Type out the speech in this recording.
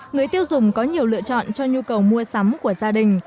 người tiêu dùng có nhiều lựa chọn cho nhu cầu mua sắm của gia đình